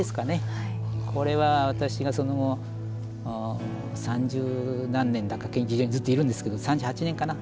これは私がその後三十何年だか研究所にずっといるんですけど３８年かな？